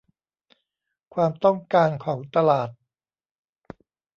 ความต้องการของตลาด